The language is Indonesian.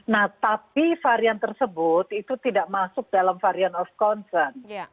nah tapi varian tersebut itu tidak masuk dalam varian of concern